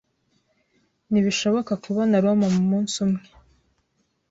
Ntibishoboka kubona Roma mumunsi umwe.